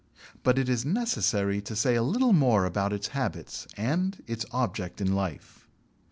But it is necessary to say a little more about its habits and its object in life.